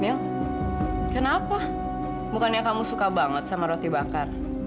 mill kenapa bukannya kamu suka banget sama roti bakar